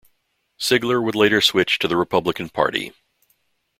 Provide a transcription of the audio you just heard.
Sigler would later switch to the Republican Party.